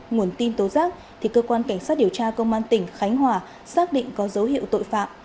nguồn tin tố giác cơ quan cảnh sát điều tra công an tỉnh khánh hòa xác định có dấu hiệu tội phạm